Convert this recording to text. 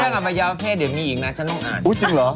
ถ้ากลับมายาวแค่เดี๋ยวมีอีกนะฉันต้องอ่าน